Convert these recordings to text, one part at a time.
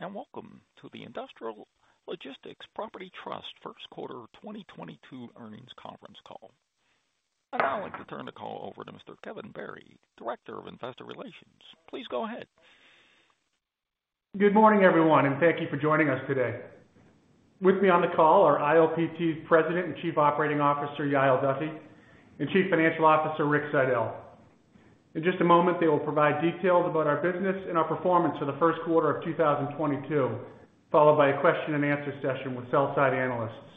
Good morning, and welcome to the Industrial Logistics Properties Trust first quarter 2022 earnings conference call. I'd now like to turn the call over to Mr. Kevin Barry, Director of Investor Relations. Please go ahead. Good morning, everyone, and thank you for joining us today. With me on the call are ILPT President and Chief Operating Officer Yael Duffy and Chief Financial Officer Rick Siedel. In just a moment, they will provide details about our business and our performance for the first quarter of 2022, followed by a question and answer session with sell-side analysts.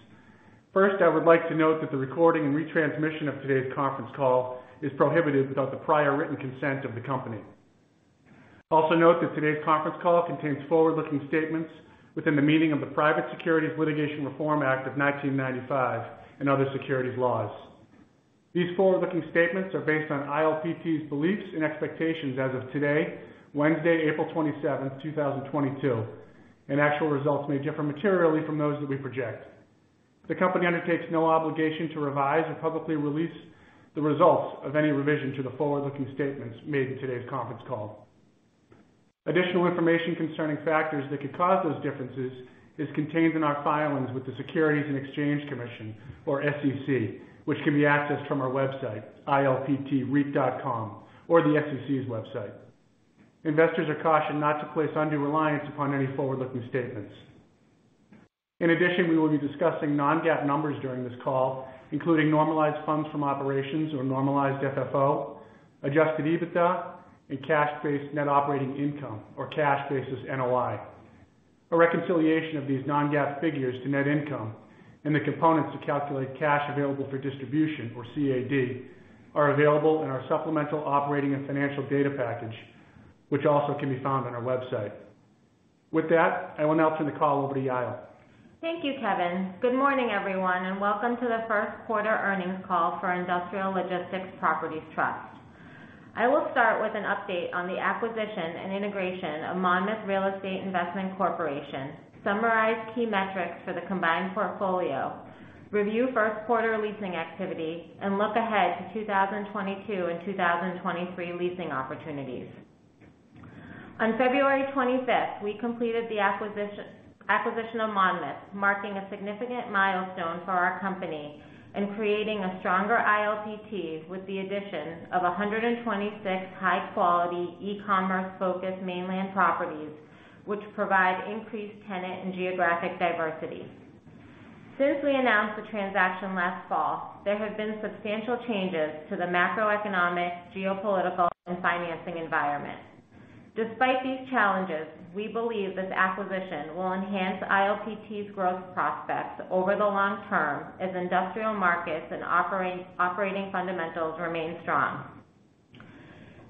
First, I would like to note that the recording and retransmission of today's conference call is prohibited without the prior written consent of the company. Also note that today's conference call contains forward-looking statements within the meaning of the Private Securities Litigation Reform Act of 1995 and other securities laws. These forward-looking statements are based on ILPT's beliefs and expectations as of today, Wednesday, April 27, 2022, and actual results may differ materially from those that we project. The company undertakes no obligation to revise or publicly release the results of any revision to the forward-looking statements made in today's conference call. Additional information concerning factors that could cause those differences is contained in our filings with the Securities and Exchange Commission or SEC, which can be accessed from our website, ilptreit.com or the SEC's website. Investors are cautioned not to place undue reliance upon any forward-looking statements. In addition, we will be discussing non-GAAP numbers during this call, including normalized funds from operations or normalized FFO, adjusted EBITDA, and cash-based net operating income or cash basis NOI. A reconciliation of these non-GAAP figures to net income and the components to calculate cash available for distribution or CAD are available in our supplemental operating and financial data package, which also can be found on our website. With that, I will now turn the call over to Yael. Thank you, Kevin. Good morning, everyone, and welcome to the first quarter earnings call for Industrial Logistics Properties Trust. I will start with an update on the acquisition and integration of Monmouth Real Estate Investment Corporation, summarize key metrics for the combined portfolio, review first quarter leasing activity, and look ahead to 2022 and 2023 leasing opportunities. On February 25th, we completed the acquisition of Monmouth, marking a significant milestone for our company and creating a stronger ILPT with the addition of 126 high quality e-commerce focused mainland properties, which provide increased tenant and geographic diversity. Since we announced the transaction last fall, there have been substantial changes to the macroeconomic, geopolitical, and financing environment. Despite these challenges, we believe this acquisition will enhance ILPT's growth prospects over the long term as industrial markets and operating fundamentals remain strong.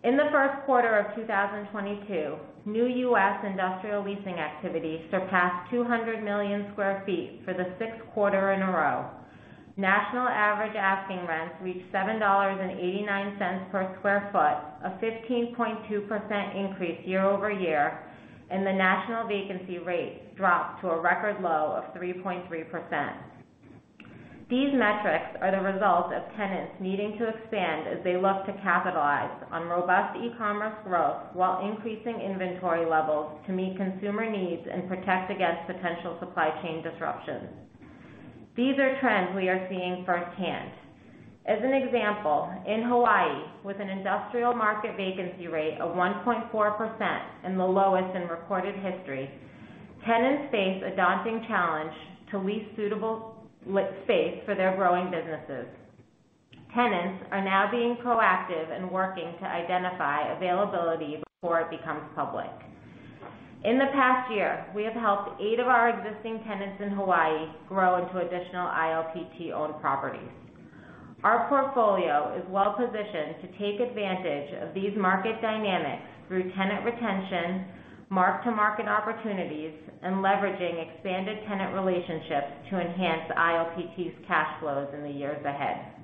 In the first quarter of 2022, new U.S. industrial leasing activity surpassed 200 million sq ft for the sixth quarter in a row. National average asking rents reached $7.89 per sq ft, a 15.2% increase year-over-year, and the national vacancy rate dropped to a record low of 3.3%. These metrics are the result of tenants needing to expand as they look to capitalize on robust e-commerce growth while increasing inventory levels to meet consumer needs and protect against potential supply chain disruptions. These are trends we are seeing firsthand. As an example, in Hawaii, with an industrial market vacancy rate of 1.4% and the lowest in recorded history, tenants face a daunting challenge to lease suitable space for their growing businesses. Tenants are now being proactive and working to identify availability before it becomes public. In the past year, we have helped eight of our existing tenants in Hawaii grow into additional ILPT-owned properties. Our portfolio is well positioned to take advantage of these market dynamics through tenant retention, mark-to-market opportunities, and leveraging expanded tenant relationships to enhance ILPT's cash flows in the years ahead.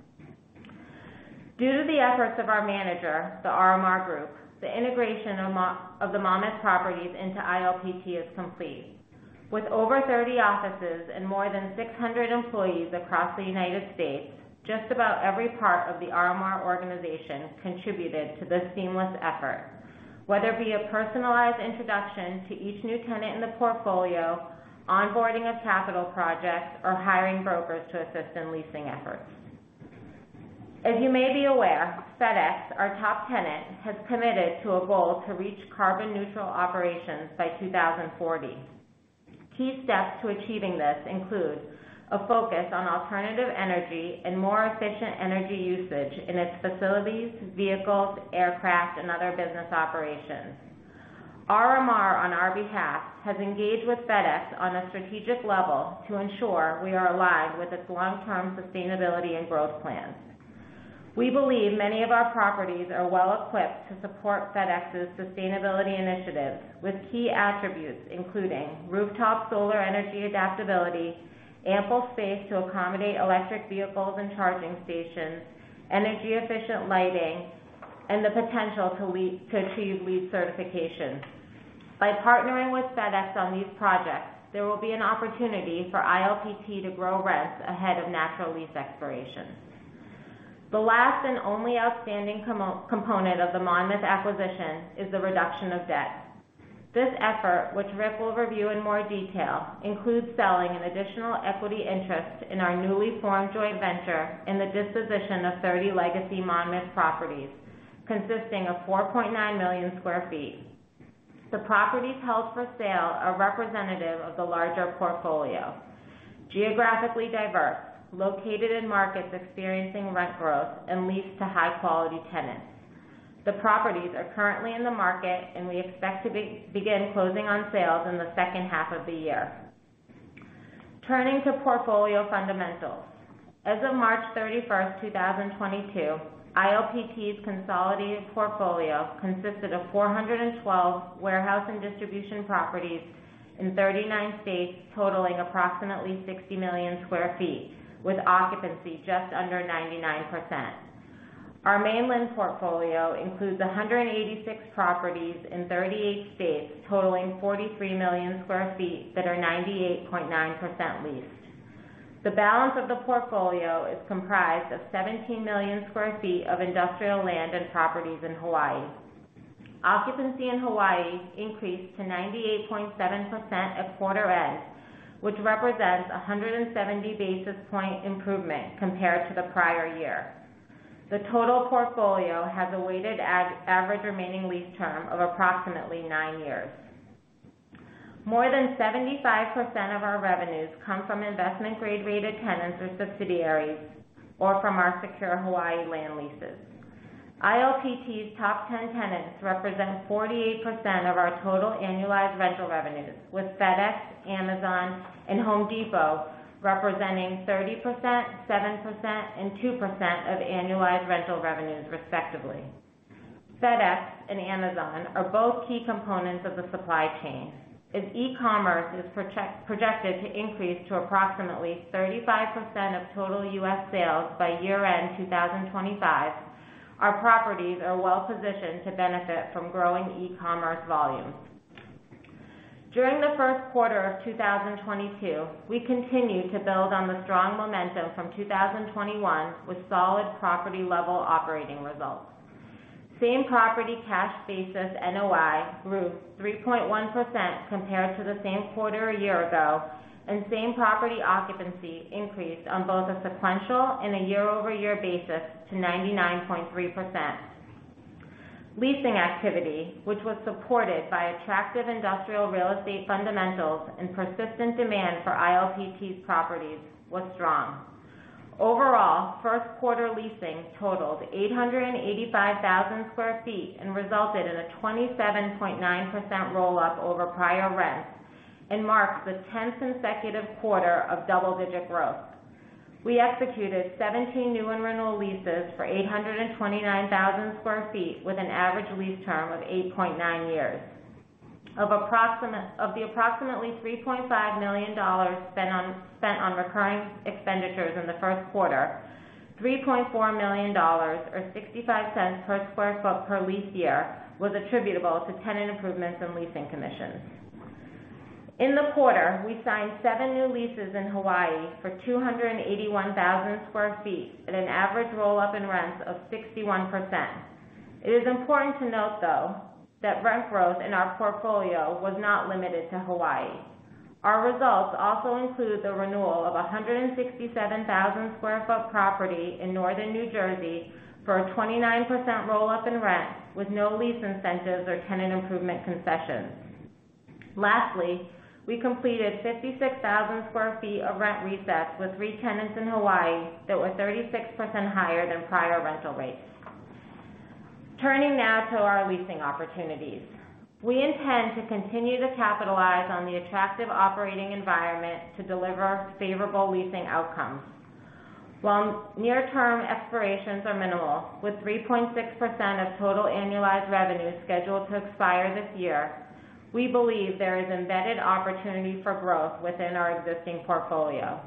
Due to the efforts of our manager, The RMR Group, the integration of the Monmouth properties into ILPT is complete. With over 30 offices and more than 600 employees across the United States, just about every part of the RMR organization contributed to this seamless effort, whether it be a personalized introduction to each new tenant in the portfolio, onboarding a capital project, or hiring brokers to assist in leasing efforts. As you may be aware, FedEx, our top tenant, has committed to a goal to reach carbon neutral operations by 2040. Key steps to achieving this include a focus on alternative energy and more efficient energy usage in its facilities, vehicles, aircraft, and other business operations. RMR, on our behalf, has engaged with FedEx on a strategic level to ensure we are aligned with its long-term sustainability and growth plans. We believe many of our properties are well equipped to support FedEx's sustainability initiatives with key attributes, including rooftop solar energy adaptability, ample space to accommodate electric vehicles and charging stations, energy efficient lighting, and the potential to achieve LEED certification. By partnering with FedEx on these projects, there will be an opportunity for ILPT to grow rents ahead of natural lease expirations. The last and only outstanding component of the Monmouth acquisition is the reduction of debt. This effort, which Rick will review in more detail, includes selling an additional equity interest in our newly formed joint venture in the disposition of 30 legacy Monmouth properties, consisting of 4.9 million sq ft. The properties held for sale are representative of the larger portfolio, geographically diverse, located in markets experiencing rent growth, and leased to high quality tenants. The properties are currently in the market, and we expect to begin closing on sales in the second half of the year. Turning to portfolio fundamentals. As of March 31, 2022, ILPT's consolidated portfolio consisted of 412 warehouse and distribution properties in 39 states, totaling approximately 60 million sq ft, with occupancy just under 99%. Our mainland portfolio includes 186 properties in 38 states, totaling 43 million sq ft that are 98.9% leased. The balance of the portfolio is comprised of 17 million sq ft of industrial land and properties in Hawaii. Occupancy in Hawaii increased to 98.7% at quarter end, which represents a 170 basis point improvement compared to the prior year. The total portfolio has a weighted average remaining lease term of approximately nine years. More than 75% of our revenues come from investment-grade rated tenants or subsidiaries, or from our secure Hawaii land leases. ILPT's top 10 tenants represent 48% of our total annualized rental revenues, with FedEx, Amazon, and Home Depot representing 30%, 7%, and 2% of annualized rental revenues respectively. FedEx and Amazon are both key components of the supply chain. As e-commerce is projected to increase to approximately 35% of total U.S. sales by year-end 2025, our properties are well-positioned to benefit from growing e-commerce volumes. During the first quarter of 2022, we continued to build on the strong momentum from 2021 with solid property-level operating results. Same-property cash basis NOI grew 3.1% compared to the same quarter a year ago, and same-property occupancy increased on both a sequential and a year-over-year basis to 99.3%. Leasing activity, which was supported by attractive industrial real estate fundamentals and persistent demand for ILPT's properties, was strong. Overall, first quarter leasing totaled 885,000 sq ft and resulted in a 27.9% roll-up over prior rents and marks the 10th consecutive quarter of double-digit growth. We executed 17 new and renewal leases for 829,000 sq ft with an average lease term of 8.9 years. Of the approximately $3.5 million spent on recurring expenditures in the first quarter, $3.4 million, or $0.65 per sq ft per lease year, was attributable to tenant improvements and leasing commissions. In the quarter, we signed seven new leases in Hawaii for 281,000 sq ft at an average roll-up in rents of 61%. It is important to note, though, that rent growth in our portfolio was not limited to Hawaii. Our results also include the renewal of a 167,000 sq ft property in northern New Jersey for a 29% roll-up in rent with no lease incentives or tenant improvement concessions. Lastly, we completed 56,000 sq ft of rent resets with three tenants in Hawaii that were 36% higher than prior rental rates. Turning now to our leasing opportunities. We intend to continue to capitalize on the attractive operating environment to deliver favorable leasing outcomes. While near-term expirations are minimal, with 3.6% of total annualized revenue scheduled to expire this year, we believe there is embedded opportunity for growth within our existing portfolio.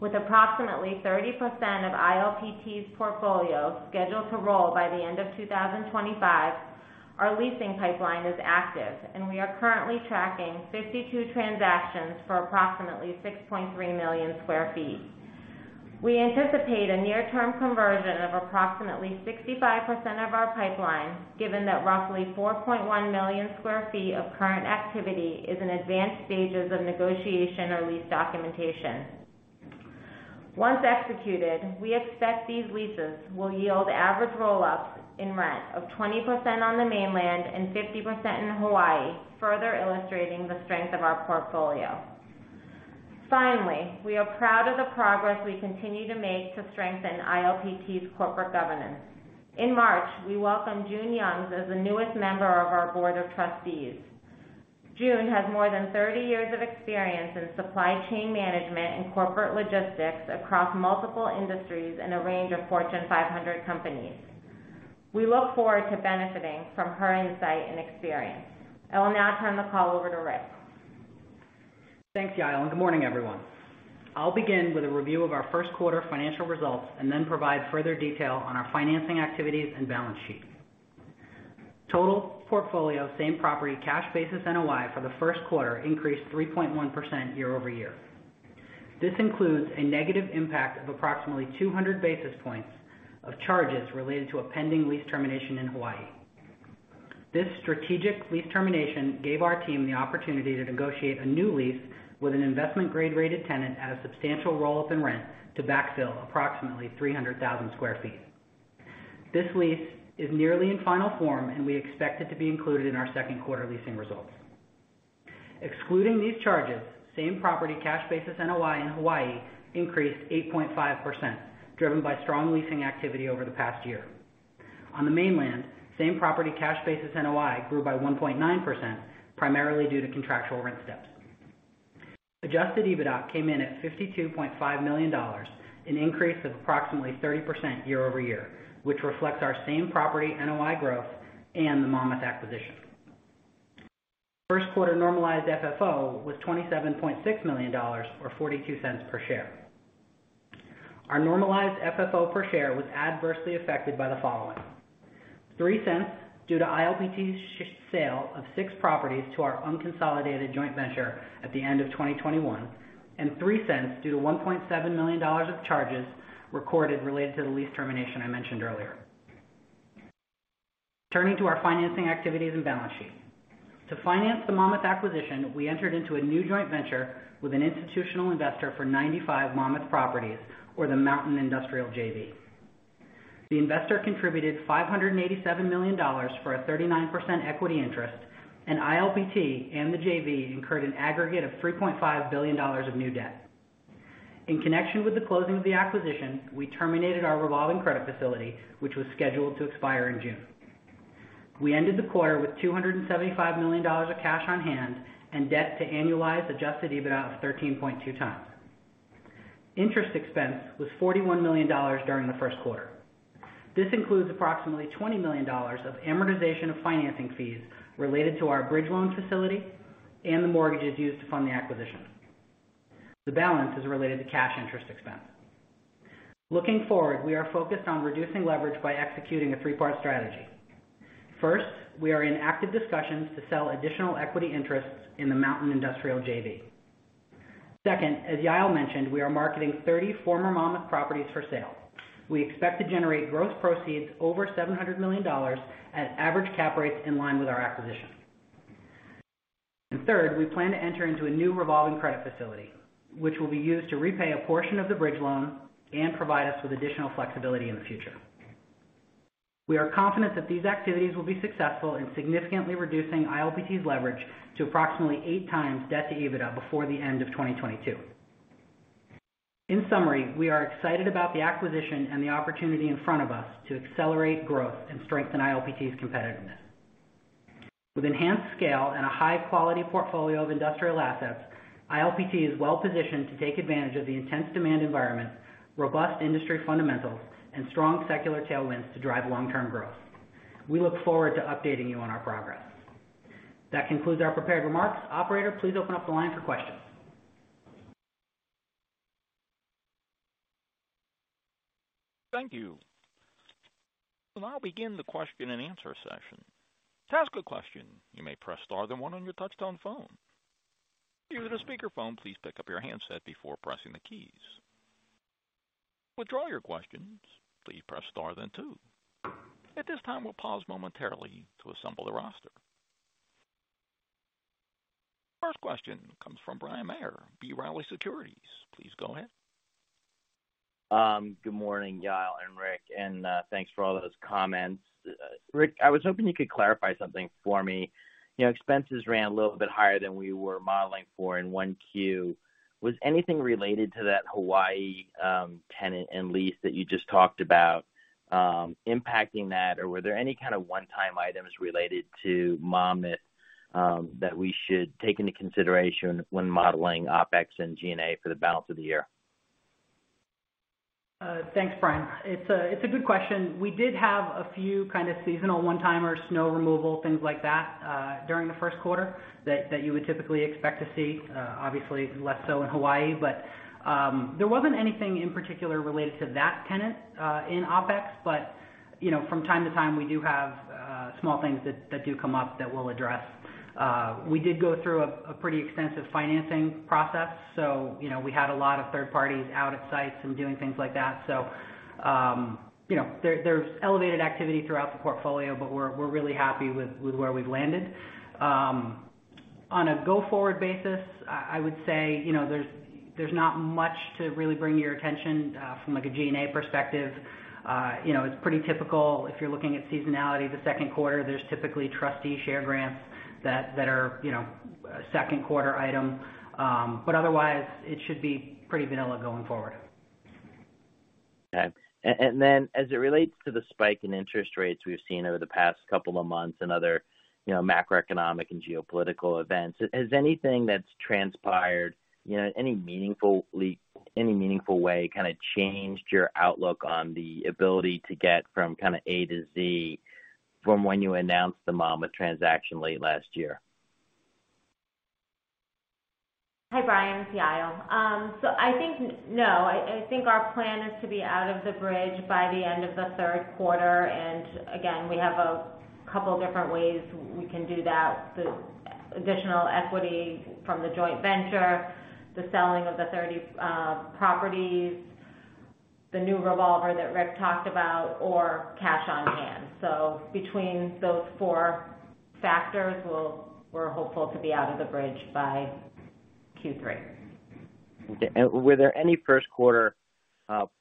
With approximately 30% of ILPT's portfolio scheduled to roll by the end of 2025, our leasing pipeline is active, and we are currently tracking 52 transactions for approximately 6.3 million sq ft. We anticipate a near-term conversion of approximately 65% of our pipeline, given that roughly 4.1 million sq ft of current activity is in advanced stages of negotiation or lease documentation. Once executed, we expect these leases will yield average roll-ups in rent of 20% on the mainland and 50% in Hawaii, further illustrating the strength of our portfolio. Finally, we are proud of the progress we continue to make to strengthen ILPT's corporate governance. In March, we welcomed June Youngs as the newest member of our board of trustees. June has more than 30 years of experience in supply chain management and corporate logistics across multiple industries and a range of Fortune 500 companies. We look forward to benefiting from her insight and experience. I will now turn the call over to Rick. Thanks, Yael, and good morning, everyone. I'll begin with a review of our first quarter financial results, and then provide further detail on our financing activities and balance sheet. Total portfolio same-property cash basis NOI for the first quarter increased 3.1% year-over-year. This includes a negative impact of approximately 200 basis points of charges related to a pending lease termination in Hawaii. This strategic lease termination gave our team the opportunity to negotiate a new lease with an investment grade rated tenant at a substantial roll-up in rent to backfill approximately 300,000 sq ft. This lease is nearly in final form, and we expect it to be included in our second quarter leasing results. Excluding these charges, same property cash basis NOI in Hawaii increased 8.5%, driven by strong leasing activity over the past year. On the mainland, same-property cash basis NOI grew by 1.9% primarily due to contractual rent steps. Adjusted EBITDA came in at $52.5 million, an increase of approximately 30% year-over-year, which reflects our same-property NOI growth and the Monmouth acquisition. First quarter normalized FFO was $27.6 million or $0.42 per share. Our normalized FFO per share was adversely affected by the following. $0.03 due to ILPT's sale of six properties to our unconsolidated joint venture at the end of 2021 and $0.03 due to $1.7 million of charges recorded related to the lease termination I mentioned earlier. Turning to our financing activities and balance sheet. To finance the Monmouth acquisition, we entered into a new joint venture with an institutional investor for 95 Monmouth properties or the Mountain Industrial JV. The investor contributed $587 million for a 39% equity interest, and ILPT and the JV incurred an aggregate of $3.5 billion of new debt. In connection with the closing of the acquisition, we terminated our revolving credit facility, which was scheduled to expire in June. We ended the quarter with $275 million of cash on hand and debt to annualized adjusted EBITDA of 13.2x. Interest expense was $41 million during the first quarter. This includes approximately $20 million of amortization of financing fees related to our bridge loan facility and the mortgages used to fund the acquisition. The balance is related to cash interest expense. Looking forward, we are focused on reducing leverage by executing a three-part strategy. First, we are in active discussions to sell additional equity interests in the Mountain Industrial JV. Second, as Yael mentioned, we are marketing 30 former Monmouth properties for sale. We expect to generate gross proceeds over $700 million at average cap rates in line with our acquisition. Third, we plan to enter into a new revolving credit facility, which will be used to repay a portion of the bridge loan and provide us with additional flexibility in the future. We are confident that these activities will be successful in significantly reducing ILPT's leverage to approximately 8x debt to EBITDA before the end of 2022. In summary, we are excited about the acquisition and the opportunity in front of us to accelerate growth and strengthen ILPT's competitiveness. With enhanced scale and a high-quality portfolio of industrial assets, ILPT is well-positioned to take advantage of the intense demand environment, robust industry fundamentals, and strong secular tailwinds to drive long-term growth. We look forward to updating you on our progress. That concludes our prepared remarks. Operator, please open up the line for questions. Thank you. We'll now begin the question-and-answer session. To ask a question, you may press star then one on your touchtone phone. If you're using a speakerphone, please pick up your handset before pressing the keys. To withdraw your questions, please press star then two. At this time, we'll pause momentarily to assemble the roster. First question comes from Bryan Maher, B. Riley Securities. Please go ahead. Good morning, Yael and Rick, and thanks for all those comments. Rick, I was hoping you could clarify something for me. You know, expenses ran a little bit higher than we were modeling for in 1Q. Was anything related to that Hawaii tenant and lease that you just talked about impacting that, or were there any kind of one-time items related to Monmouth that we should take into consideration when modeling OpEx and G&A for the balance of the year? Thanks, Bryan. It's a good question. We did have a few kind of seasonal one-timers, snow removal, things like that, during the first quarter that you would typically expect to see. Obviously less so in Hawaii. There wasn't anything in particular related to that tenant in OpEx. You know, from time to time, we do have small things that do come up that we'll address. We did go through a pretty extensive financing process, so you know, we had a lot of third parties out at sites and doing things like that. You know, there's elevated activity throughout the portfolio, but we're really happy with where we've landed. On a go-forward basis, I would say, you know, there's not much to really bring to your attention from like a G&A perspective. You know, it's pretty typical if you're looking at seasonality. The second quarter, there's typically trustee share grants that are, you know, a second quarter item. But otherwise it should be pretty vanilla going forward. As it relates to the spike in interest rates we've seen over the past couple of months and other, you know, macroeconomic and geopolitical events, has anything that's transpired, you know, in any meaningful way kinda changed your outlook on the ability to get from kinda A to Z from when you announced the Monmouth transaction late last year? Hi, Bryan, it's Yael. I think no. I think our plan is to be out of the bridge by the end of the third quarter, and again, we have a couple different ways we can do that. The additional equity from the joint venture, the selling of the 30 properties, the new revolver that Rick talked about, or cash on hand. Between those four factors, we're hopeful to be out of the bridge by Q3. Were there any first quarter,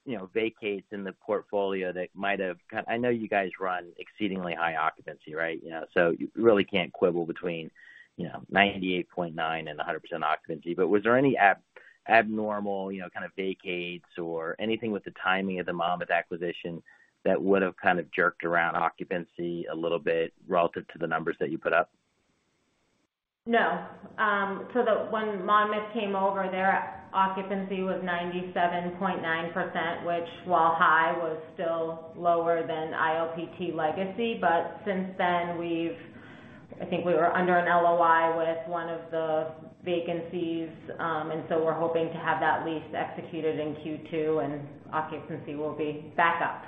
you know, vacates in the portfolio that might have? I know you guys run exceedingly high occupancy, right? You know, so you really can't quibble between, you know, 98.9% and 100% occupancy. But was there any abnormal, you know, kind of vacates or anything with the timing of the Monmouth acquisition that would have kind of jerked around occupancy a little bit relative to the numbers that you put up? No. When Monmouth came over, their occupancy was 97.9%, which, while high, was still lower than ILPT legacy. Since then, I think we were under an LOI with one of the vacancies, and we're hoping to have that lease executed in Q2 and occupancy will be back up.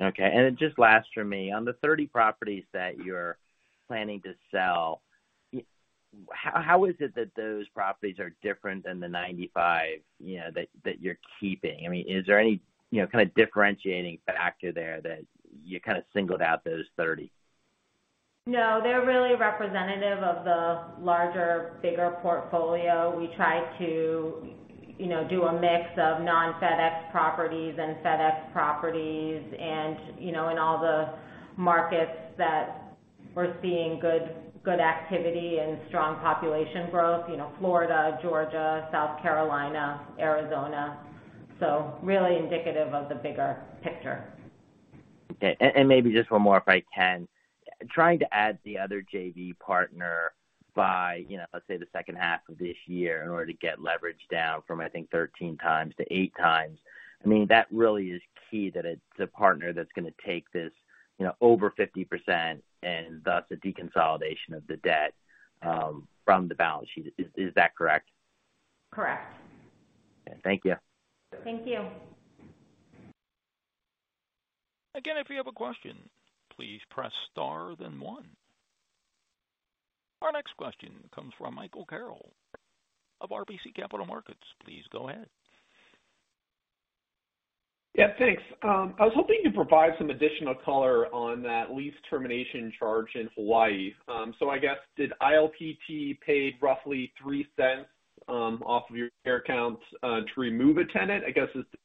Okay. Just last for me. On the 30 properties that you're planning to sell, how is it that those properties are different than the 95, you know, that you're keeping? I mean, is there any, you know, kind of differentiating factor there that you kind of singled out those 30? No, they're really representative of the larger, bigger portfolio. We try to, you know, do a mix of non-FedEx properties and FedEx properties and, you know, in all the markets that we're seeing good activity and strong population growth, you know, Florida, Georgia, South Carolina, Arizona. Really indicative of the bigger picture. Okay. Maybe just one more, if I can. Trying to add the other JV partner by, you know, let's say the second half of this year in order to get leverage down from, I think, 13x to 8x. I mean, that really is key that it's a partner that's gonna take this, you know, over 50% and thus the deconsolidation of the debt from the balance sheet. Is that correct? Correct. Okay. Thank you. Thank you. Again, if you have a question, please press star then one. Our next question comes from Michael Carroll of RBC Capital Markets. Please go ahead. Yeah, thanks. I was hoping you'd provide some additional color on that lease termination charge in Hawaii. I guess did ILPT pay roughly $0.03 off of your share count to remove a tenant, I guess is the-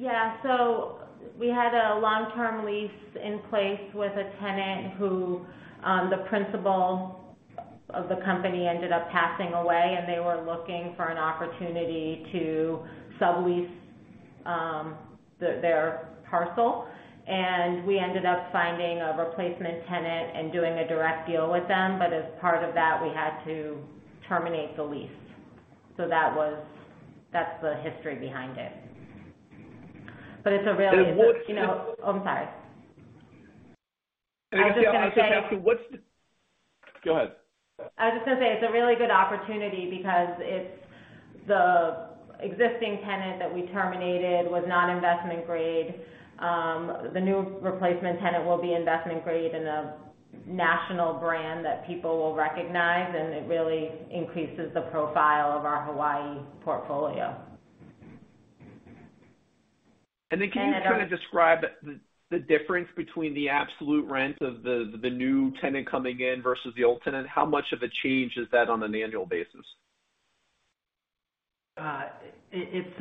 Yeah. We had a long-term lease in place with a tenant who, the principal of the company ended up passing away, and they were looking for an opportunity to sublease, their parcel. We ended up finding a replacement tenant and doing a direct deal with them. As part of that, we had to terminate the lease. That was. That's the history behind it. It's a really And what- You know. Oh, I'm sorry. I just have to. I was just gonna say. Go ahead. I was just gonna say it's a really good opportunity because it's the existing tenant that we terminated was not investment grade. The new replacement tenant will be investment grade and a national brand that people will recognize, and it really increases the profile of our Hawaii portfolio. Can you kind of describe the difference between the absolute rent of the new tenant coming in versus the old tenant? How much of a change is that on an annual basis? It's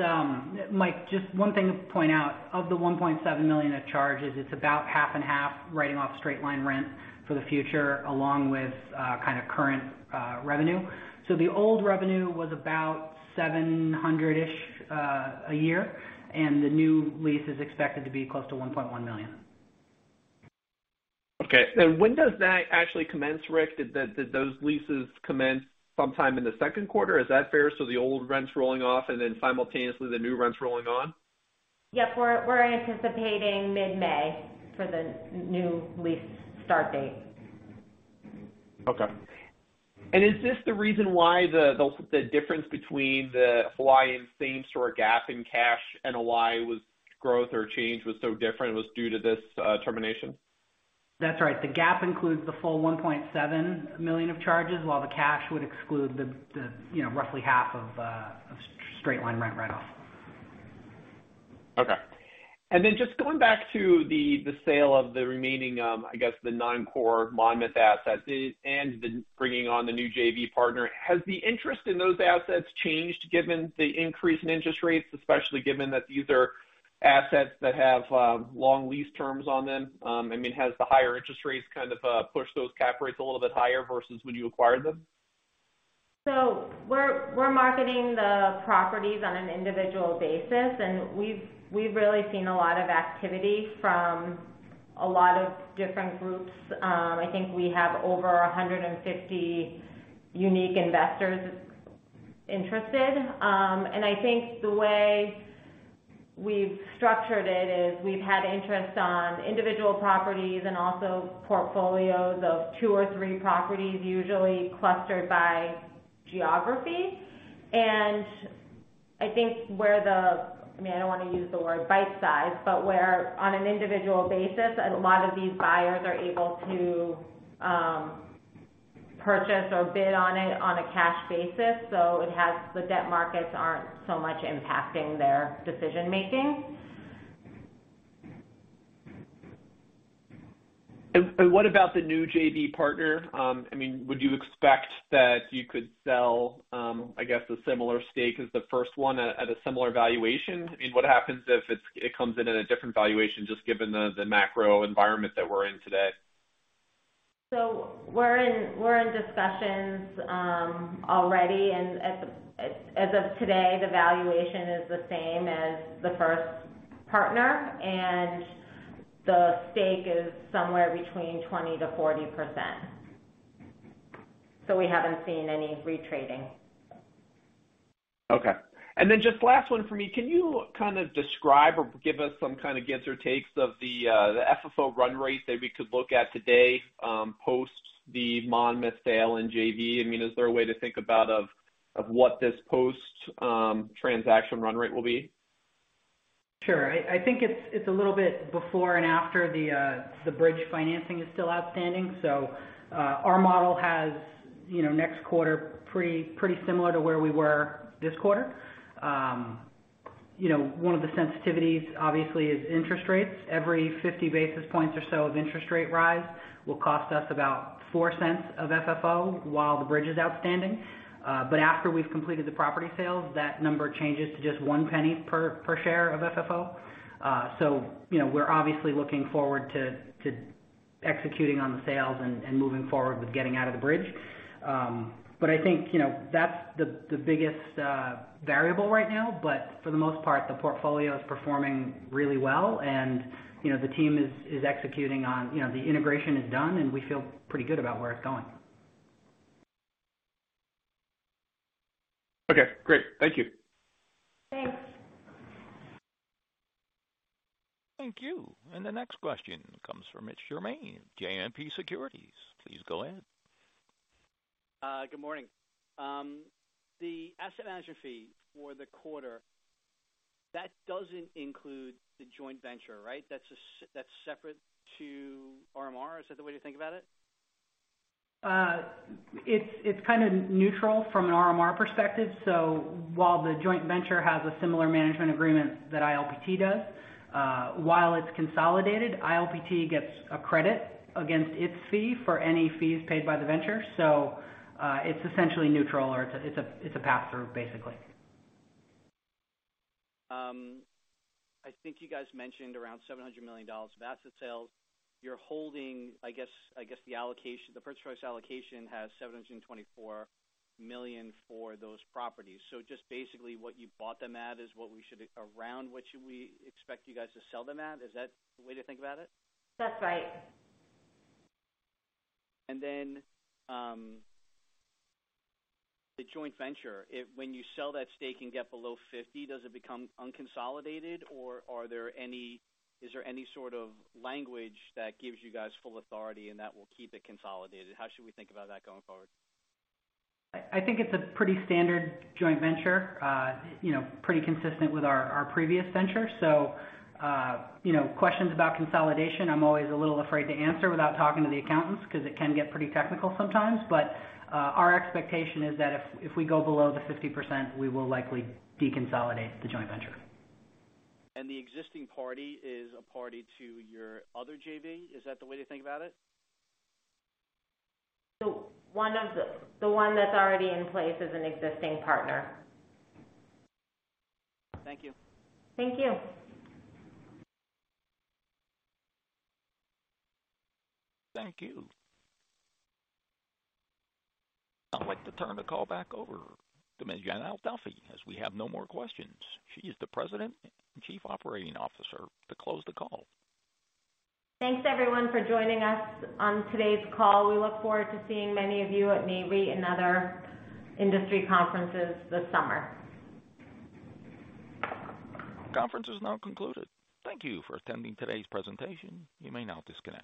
Mike, just one thing to point out, of the $1.7 million of charges, it's about half and half writing off straight line rent for the future, along with kind of current revenue. The old revenue was about 700-ish a year, and the new lease is expected to be close to $1.1 million. Okay. When does that actually commence, Rick? Did those leases commence sometime in the second quarter? Is that fair? The old rent's rolling off and then simultaneously the new rent's rolling on. Yep. We're anticipating mid-May for the new lease start date. Okay. Is this the reason why the difference between the Hawaii same-store GAAP and cash basis NOI in Hawaii was so different, it was due to this termination? That's right. The gap includes the full $1.7 million of charges, while the cash would exclude the you know roughly half of straight line rent write-off. Okay. Just going back to the sale of the remaining, I guess the nine core Monmouth assets and the bringing on the new JV partner. Has the interest in those assets changed given the increase in interest rates, especially given that these are assets that have long lease terms on them? I mean, has the higher interest rates kind of pushed those cap rates a little bit higher versus when you acquired them? We're marketing the properties on an individual basis, and we've really seen a lot of activity from a lot of different groups. I think we have over 150 unique investors interested. I think the way we've structured it is we've had interest on individual properties and also portfolios of two or three properties, usually clustered by geography. I think, I mean, I don't wanna use the word bite size, but where on an individual basis, a lot of these buyers are able to purchase or bid on it on a cash basis. It has, the debt markets aren't so much impacting their decision-making. What about the new JV partner? I mean, would you expect that you could sell, I guess a similar stake as the first one at a similar valuation? What happens if it comes in at a different valuation just given the macro environment that we're in today? We're in discussions already. As of today, the valuation is the same as the first partner, and the stake is somewhere between 20%-40%. We haven't seen any retrading. Okay. Then just last one for me. Can you kind of describe or give us some kind of gives or takes of the FFO run rate that we could look at today post the Monmouth sale and JV? I mean, is there a way to think about of what this post transaction run rate will be? Sure. I think it's a little bit before and after the bridge financing is still outstanding. Our model has, you know, next quarter pretty similar to where we were this quarter. You know, one of the sensitivities, obviously, is interest rates. Every 50 basis points or so of interest rate rise will cost us about $0.04 of FFO while the bridge is outstanding. After we've completed the property sales, that number changes to just $0.01 per share of FFO. You know, we're obviously looking forward to executing on the sales and moving forward with getting out of the bridge. I think, you know, that's the biggest variable right now. For the most part, the portfolio is performing really well and, you know, the team is executing on. You know, the integration is done, and we feel pretty good about where it's going. Okay, great. Thank you. Thanks. Thank you. The next question comes from Mitch Germain, JMP Securities. Please go ahead. Good morning. The asset management fee for the quarter, that doesn't include the joint venture, right? That's separate to RMR. Is that the way to think about it? It's kinda neutral from an RMR perspective. While the joint venture has a similar management agreement that ILPT does, while it's consolidated, ILPT gets a credit against its fee for any fees paid by the venture. It's essentially neutral or it's a pass-through basically. I think you guys mentioned around $700 million of asset sales you're holding. I guess the allocation, the first choice allocation has $724 million for those properties. Just basically what you bought them at is around what we should expect you guys to sell them at. Is that the way to think about it? That's right. The joint venture. When you sell that stake and get below 50%, does it become unconsolidated or is there any sort of language that gives you guys full authority and that will keep it consolidated? How should we think about that going forward? I think it's a pretty standard joint venture, you know, pretty consistent with our previous venture. Questions about consolidation, I'm always a little afraid to answer without talking to the accountants because it can get pretty technical sometimes. Our expectation is that if we go below the 50% we will likely deconsolidate the joint venture. The existing party is a party to your other JV. Is that the way to think about it? The one that's already in place is an existing partner. Thank you. Thank you. Thank you. I'd like to turn the call back over to Miss Yael Duffy as we have no more questions. She is the President and Chief Operating Officer to close the call. Thanks, everyone, for joining us on today's call. We look forward to seeing many of you at Nareit and other industry conferences this summer. Conference is now concluded. Thank you for attending today's presentation. You may now disconnect.